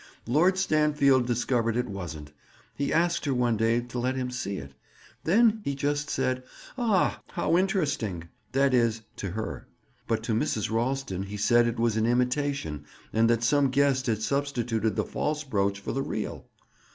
Lord Stanfield discovered it wasn't. He asked her one day to let him see it. Then, he just said: 'Aw! How interesting!'—that is, to her. But to Mrs. Ralston he said it was an imitation and that some guest had substituted the false brooch for the real.